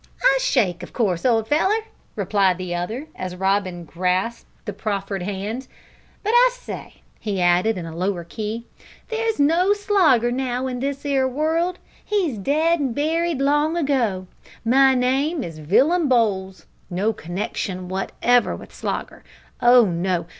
"A shake, of course, old feller," replied the other, as Robin grasped the proffered hand; "but I say," he added in a lower key, "there's no Slogger now in this 'ere world; he's dead an' buried long ago. My name is Villum Bowls no connection wotever with Slogger. Oh no!